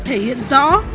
thể hiện rõ